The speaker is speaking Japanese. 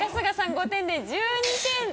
５点で１２点。